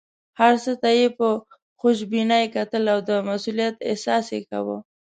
هر څه ته یې په خوشبینۍ کتل او د مسوولیت احساس یې کاوه.